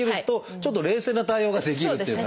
ちょっと冷静な対応ができるっていうかね